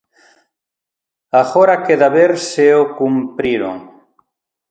Agora queda ver se o cumpriron...